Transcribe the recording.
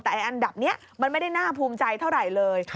แต่อันดับนี้มันไม่ได้น่าภูมิใจเท่าไหร่เลย